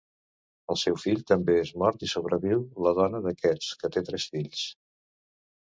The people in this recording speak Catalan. El seu fill també és mort i sobreviu la dona d’aquest, que té tres fills.